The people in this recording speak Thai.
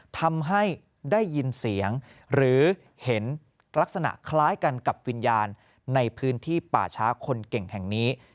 ทำให้ได้ยินเสียงหรือเห็นลักษณะคล้ายกันกับวิญญาณในพื้นที่ป่าช้าคนเก่งแห่งนี้